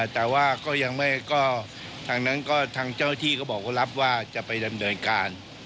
แต่ว่าก็ยังไม่ก็ทางนั้นก็ทางเจ้าหน้าที่ก็บอกว่ารับว่าจะไปดำเนินการ